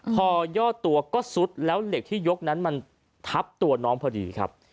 พอยอดตัวก็ซุดแล้วเหล็กที่ยกนั้นมันทับตัวน้องพอดีครับ